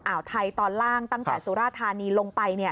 อ่าวไทยตอนล่างตั้งแต่สุราธานีลงไป